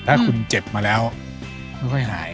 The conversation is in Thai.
ถ้าคุณเจ็บมาแล้วไม่ค่อยหาย